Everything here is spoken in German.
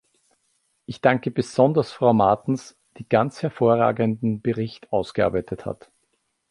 Ich danke besonders Frau Martens, die ganz hervorragenden Bericht ausgearbeitet hat.